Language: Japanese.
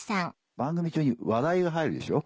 番組中に笑いが入るでしょ。